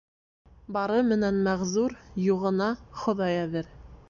Бары менән мәғзур, юғына Хоҙай әҙер.